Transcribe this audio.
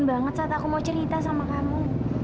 banget saat aku mau cerita sama kamu